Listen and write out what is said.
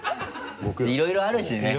いろいろあるしね。